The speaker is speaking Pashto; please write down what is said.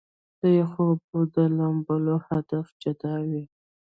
د يخو اوبو د لامبلو هدف جدا وي -